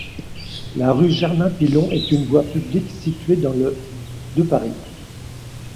La rue Germain-Pilon est une voie publique située dans le de Paris.